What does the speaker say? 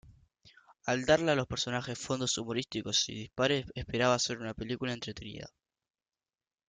Al darle a los personajes fondos humorísticos y dispares, esperaba hacer una película entretenida.